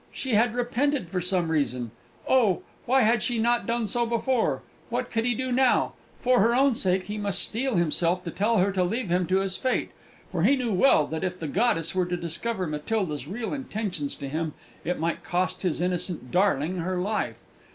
She had repented for some reason. Oh! why had she not done so before? What could he do now? For her own sake he must steel himself to tell her to leave him to his fate; for he knew well that if the goddess were to discover Matilda's real relations to him, it might cost his innocent darling her life!